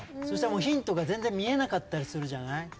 そしたらもうヒントが全然見えなかったりするじゃない。